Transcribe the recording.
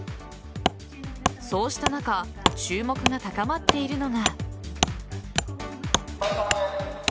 そうした中注目が高まっているのが。